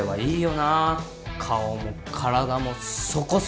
顔も体もそこそこだし。